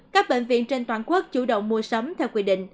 các bệnh viện trên toàn quốc chủ động mua sắm theo quy định